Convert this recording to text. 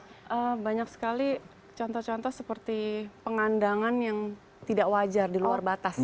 ya banyak sekali contoh contoh seperti pengandangan yang tidak wajar di luar batas